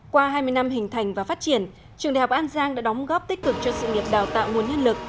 qua hai mươi năm hình thành và phát triển trường đại học an giang đã đóng góp tích cực cho sự nghiệp đào tạo nguồn nhân lực